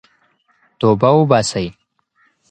توبه وباسئ.